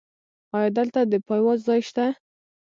ایا دلته د پایواز ځای شته؟